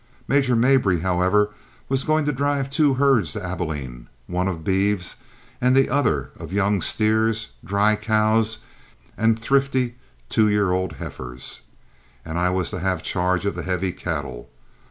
Major Mabry, however, was going to drive two herds to Abilene, one of beeves and the other of younger steers, dry cows, and thrifty two year old heifers, and I was to have charge of the heavy cattle.